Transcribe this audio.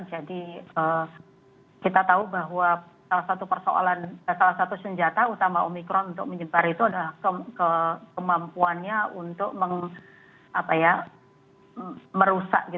jadi kita tahu bahwa salah satu persoalan salah satu senjata utama omikron untuk menyebar itu adalah kemampuannya untuk merusak